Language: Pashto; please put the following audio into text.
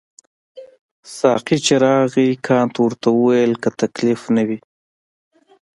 ساقي چې راغی کانت ورته وویل که تکلیف نه وي.